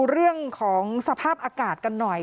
เรื่องของสภาพอากาศกันหน่อย